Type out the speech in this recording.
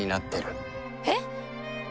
えっ！？